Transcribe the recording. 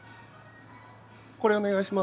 これお願いします。